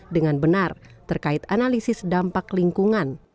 dengan benar terkait analisis dampak lingkungan